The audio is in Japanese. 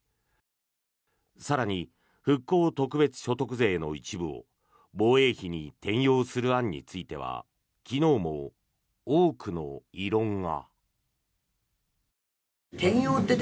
更に復興特別所得税の一部を防衛費に転用する案については昨日も多くの異論が。